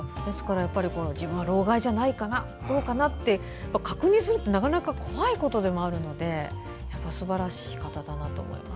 自分は老害じゃないかなって確認するのはなかなか怖いことでもあるのですばらしい方だと思います。